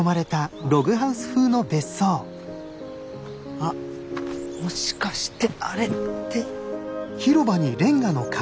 あっもしかしてあれって。